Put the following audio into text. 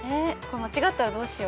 間違ったらどうしよう。